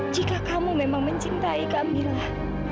jika kamu memang mencintai kamilah